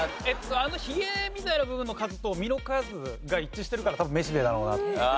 あのヒゲみたいな部分の数と実の数が一致してるから多分めしべだろうなと。